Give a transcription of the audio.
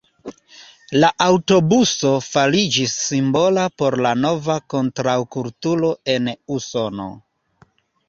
La aŭtobuso fariĝis simbola por la nova kontraŭkulturo en Usono.